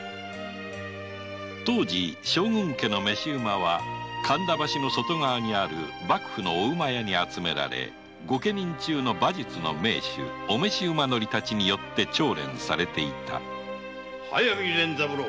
当時将軍家の召馬は神田橋の外側にある幕府の御厩に集められ御家人中の馬術の名手御召馬乗りたちによって調練されていた速水連三郎